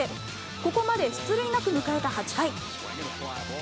ここまで出塁なく迎えた８回。